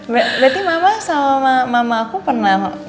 berarti mama sama mama aku pernah